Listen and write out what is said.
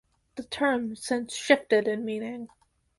The term since shifted in meaning.